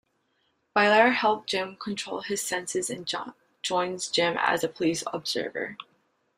Blair helps Jim control his senses and joins Jim as a police observer.